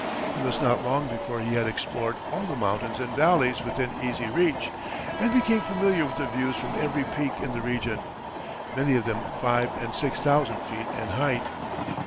It was not long before he had explored all the mountains and valleys within easy reach, and become familiar with the views from every peak in the region, many of them five and six thousand feet in height.